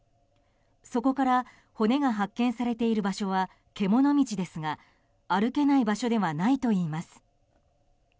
そこから骨が発見されている場所は獣道ですが歩けない場所ではないといいます。